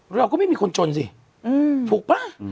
เราก็ไม่มีคนจนสิถูกป่ะ